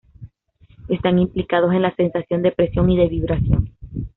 Están implicados en la sensación de presión y de vibración.